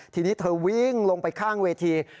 ทีนี้เธอวิ่งลงไปข้างเวที